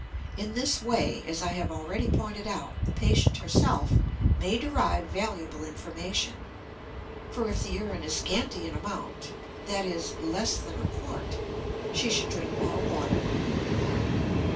In this way, as I have already pointed out, the patient herself may derive valuable information, for if the urine is scanty in amount that is, less than a quart she should drink more water.